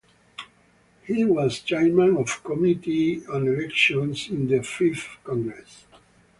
He was chairman of Committee on Elections in the Fifth Congress.